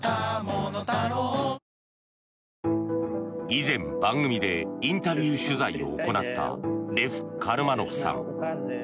以前、番組でインタビュー取材を行ったレフ・カルマノフさん。